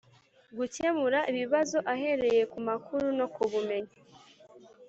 gukemura ibibazo ahereye ku makuru no ku bumenyi